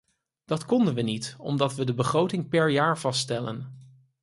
Dat konden we niet, omdat we de begroting per jaar vaststellen.